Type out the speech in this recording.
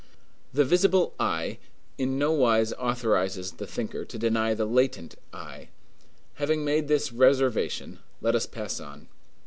The visible I in nowise authorizes the thinker to deny the latent I. Having made this reservation, let us pass on.